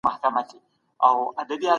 باطل لکه سراب داسي انسان غولوی.